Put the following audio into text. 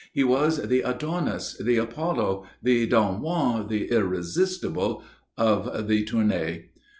He was the Adonis, the Apollo, the Don Juan, the Irresistible of the Tournée.